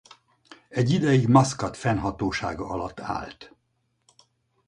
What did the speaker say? Egy ideig Maszkat fennhatósága alatt állt.